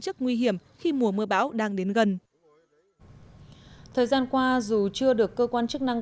chức nguy hiểm khi mùa mưa bão đang đến gần thời gian qua dù chưa được cơ quan chức năng